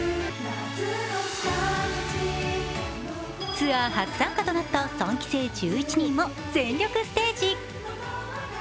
ツアー初参加となった３期生１１人も全力ステージ。